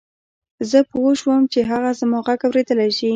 زه پوه شوم چې هغه زما غږ اورېدلای شي